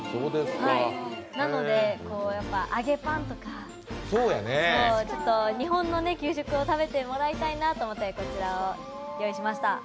なので、揚げパンとか日本の給食を食べてもらいたいなと思ってこちらを用意しました。